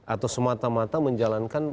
atau semata mata menjalankan